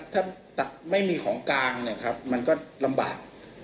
ถ้าไม่มีของกางมันก็ลำบาก